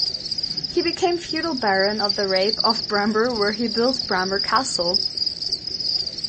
He became feudal baron of the Rape of Bramber where he built Bramber Castle.